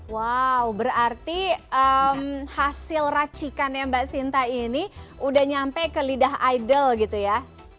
wow berarti hasil racikannya mbak sinta ini udah nyampe ke lidah idol gitu ya